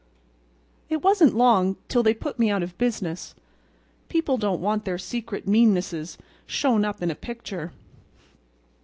"It wasn't long till they put me out of business. People don't want their secret meannesses shown up in a picture.